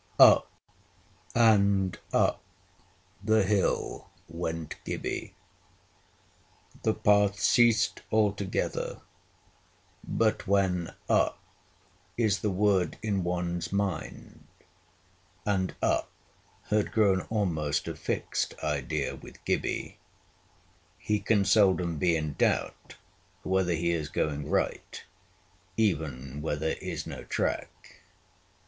Up and up the hill went Gibbie. The path ceased altogether; but when up is the word in one's mind and up had grown almost a fixed idea with Gibbie he can seldom be in doubt whether he is going right, even where there is no track.